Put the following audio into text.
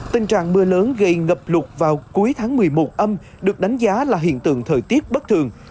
tình trạng mưa lớn gây ngập lụt vào cuối tháng một mươi một âm được đánh giá là hiện tượng thời tiết bất thường